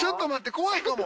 怖いかも。